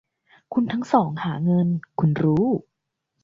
คุณทั้งสองหาเงิน คุณรู้